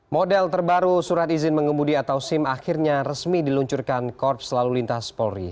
model terbaru surat izin mengemudi atau sim akhirnya resmi diluncurkan korps lalu lintas polri